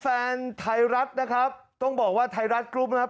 แฟนไทยรัฐนะครับต้องบอกว่าไทยรัฐกรุ๊ปนะครับ